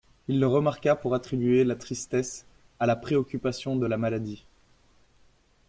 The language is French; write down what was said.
Il le remarqua pour attribuer la tristesse à la préoccupation de la maladie.